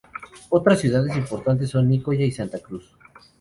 Otras ciudades importantes son Nicoya y Santa Cruz.